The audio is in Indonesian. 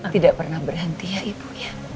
tidak pernah berhenti ya ibu ya